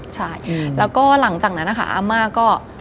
ใช่แล้วก็หลังจากนั้นนะคะอาม่าก็